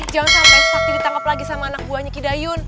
jangan sampai sakti ditangkap lagi sama anak buahnya kidayun